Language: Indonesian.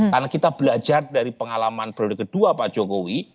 karena kita belajar dari pengalaman pd kedua pak jokowi